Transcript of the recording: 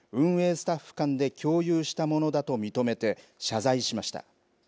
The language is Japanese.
スタッフ間で共有したものだと認めて謝罪しました。